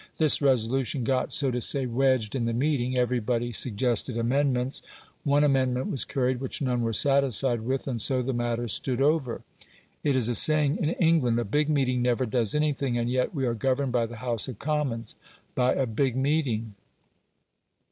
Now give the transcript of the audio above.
This resolution got, so to say, wedged in the meeting; everybody suggested amendments; one amendment was carried which none were satisfied with, and so the matter stood over. It is a saying in England, "a big meeting never does anything"; and yet we are governed by the House of Commons by "a big meeting".